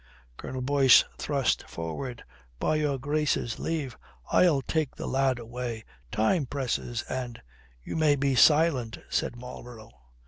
Colonel Boyce thrust forward. "By your Grace's leave, I'll take the lad away. Time presses and " "You may be silent," said Marlborough.